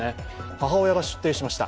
母親が出廷しました。